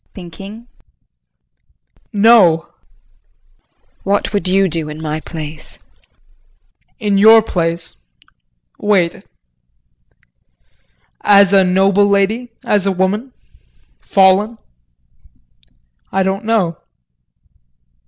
JEAN [Thinking]. No. JULIE. What would you do in my place? JEAN. In your place wait. As a noble lady, as a woman fallen I don't know.